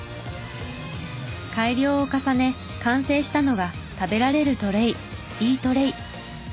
改良を重ね完成したのが食べられるトレイ「イートレイ」。